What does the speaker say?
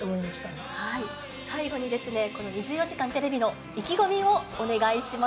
最後にですね、この２４時間テレビの意気込みをお願いします。